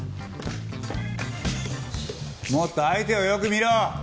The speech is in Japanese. もっと相手をよく見ろ！